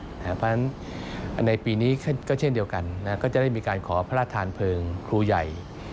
เพราะฉะนั้นในปีนี้ก็เช่นเดียวกันก็จะได้มีการขอพระราชทานเพลิงครูใหญ่